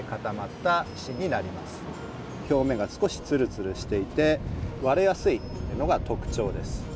表面が少しツルツルしていて割れやすいのが特徴です。